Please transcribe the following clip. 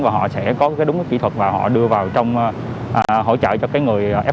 và họ sẽ có cái đúng kỹ thuật mà họ đưa vào trong hỗ trợ cho cái người f